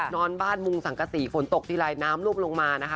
นอนบ้านมุงสังกษีฝนตกทีไรน้ำรูปลงมานะคะ